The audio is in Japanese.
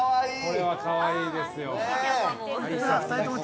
◆これはかわいいですよ。